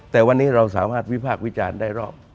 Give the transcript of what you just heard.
แต่วันนี้เราสามารถวิพากษ์วิจารณ์ได้รอบ